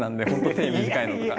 手短いのとか。